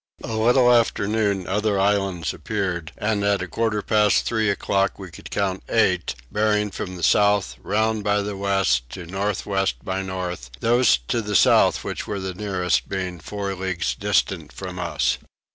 A little after noon other islands appeared, and at a quarter past three o'clock we could count eight, bearing from south round by the west to north west by north, those to the south which were the nearest being four leagues distant from us.